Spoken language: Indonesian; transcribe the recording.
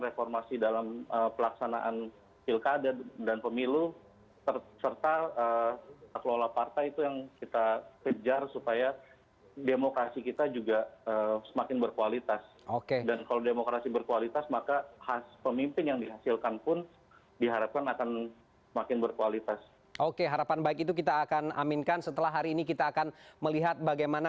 reformasi dalam pelaksanaan